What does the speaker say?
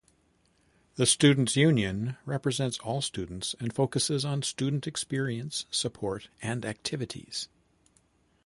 The student's union represents all students and focuses on student experience, support, and activities.